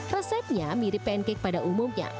resepnya mirip pancake pada umumnya